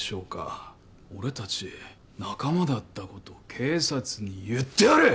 「俺たち仲間だったことを警察に言ってやる！」